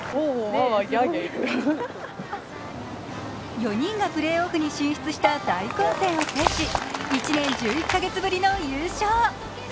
４人がプレーオフに進出した大混戦を制し１年１１カ月ぶりの優勝。